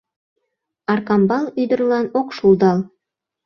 Аркамбал ӱдырлан ок шулдал.